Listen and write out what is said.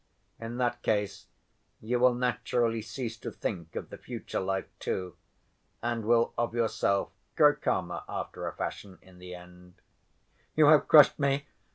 In that case you will naturally cease to think of the future life too, and will of yourself grow calmer after a fashion in the end." "You have crushed me!